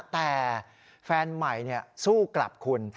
แต่แฟนใหม่สู้กลับคุณ